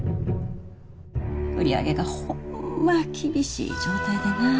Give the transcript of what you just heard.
売り上げがホンマ厳しい状態でな。